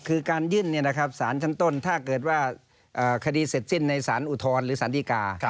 คือการยื่นสารชั้นต้นถ้าเกิดว่าคดีเสร็จสิ้นในสารอุทธรณ์หรือสารดีกา